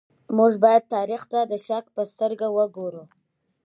موږ بايد تاريخ ته د شک په سترګه وګورو.